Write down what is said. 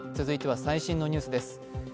続いては最新のニュースです。